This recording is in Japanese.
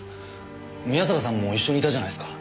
宮坂さんも一緒にいたじゃないですか。